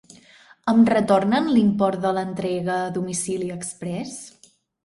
Em retornen l'import de l'entrega a domicili expres?